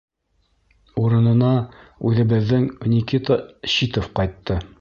Урынына үҙебеҙҙең Никита Щитов ҡайтты.